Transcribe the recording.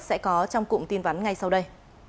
sẽ có trong cụm tin vắn ngay sau đây